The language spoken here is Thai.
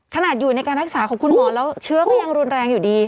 ขนาดอยู่ในการรักษาของคุณหมอแล้วเชื้อก็ยังรุนแรงอยู่ดี